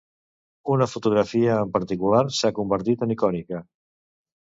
Una fotografia en particular s'ha convertit en icònica.